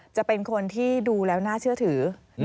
จะเป็นคนที่ดูแล้วน่าเชื่อถือ